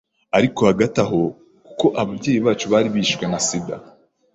ariko hagati aho kuko ababyeyi bacu bari barishwe na Sida